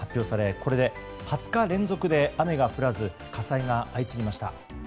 これで２０日連続で雨が降らず火災が相次ぎました。